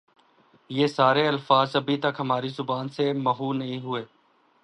یہ سارے الفاظ ابھی تک ہماری زبان سے محو نہیں ہوئے ۔